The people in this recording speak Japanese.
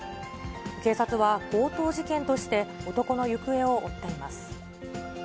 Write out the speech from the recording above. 警察は、強盗事件として男の行方を追っています。